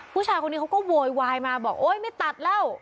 ผู้ชายคนนี้เขาก็โวยวายมาบอกโอ๊ยไม่ตัดแล้ว